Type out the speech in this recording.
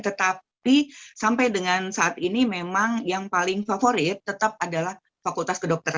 tetapi sampai dengan saat ini memang yang paling favorit tetap adalah fakultas kedokteran